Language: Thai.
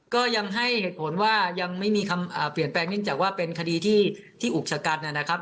ก็ยังให้เหตุผลว่ายังไม่มีคำเปลี่ยนแปลงเนื่องจากว่าเป็นคดีที่อุกชะกันนะครับ